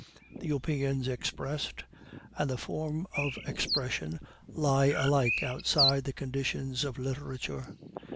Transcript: The opinions expressed and the form of expression lie alike outside the conditions of literature.